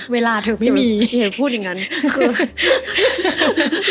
เวลาเธอไม่มีอย่าพูดอย่างนั้น